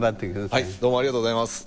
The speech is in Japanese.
はいどうもありがとうございます。